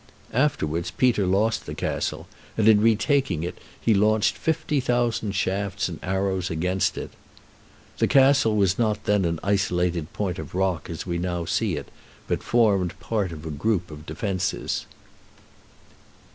Afterwards Peter lost the castle, and in retaking it he launched fifty thousand shafts and arrows against it. "The castle was not then an isolated point of rock as we now see it, but formed part of a group of defences."